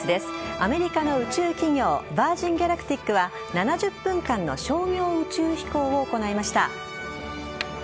アメリカの宇宙企業ヴァージン・ギャラクティックは７０分間の商業宇宙飛行を行いました。